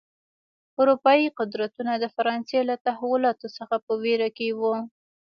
اروپايي قدرتونه د فرانسې له تحولاتو څخه په وېره کې و.